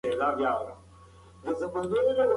موږ باید د ټیکنالوژۍ په برخه کې مهارت ولرو.